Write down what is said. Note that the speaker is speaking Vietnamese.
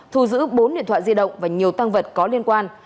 thu giữ bốn điện thoại di động và nhiều tăng vật có liên quan